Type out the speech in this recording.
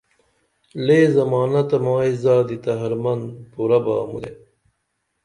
لے زمانہ تہ مائی زادی تہ حرمن پُرہ با مُدے